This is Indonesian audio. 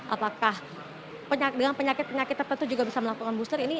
apakah dengan penyakit penyakit tertentu juga bisa melakukan booster ini